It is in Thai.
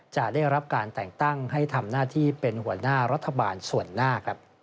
จะได้รับการแต่งตั้งให้ทำหน้าที่เป็นหัวหน้ารัฐบาลส่วนหน้า